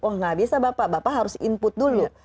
oh nggak bisa bapak bapak harus input dulu